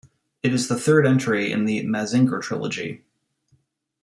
It is the third entry in the Mazinger trilogy.